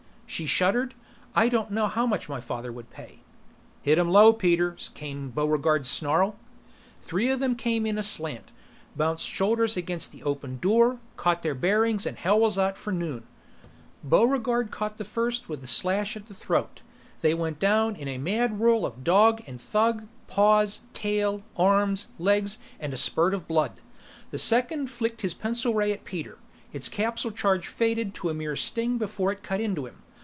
She shuddered. "I don't know how much father would pay " "Hit 'em low, Peter!" came Buregarde's snarl. Three of them came in a slant, bounced shoulders against the opened door, caught their bearings and hell was out for noon. Buregarde caught the first with a slash at the throat; they went down in a mad whirl of dog and thug, paws, tail, arms, legs and a spurt of blood. The second flicked his pencil ray at Peter, its capsule charge faded to a mere sting before it cut into him.